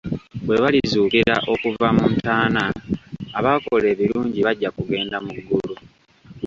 Bwe balizuukira okuva mu ntaana abaakola ebirungi bajja kugenda mu ggulu.